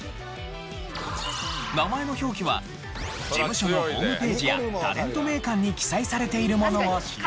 名前の表記は事務所のホームページや『タレント名鑑』に記載されているものを使用。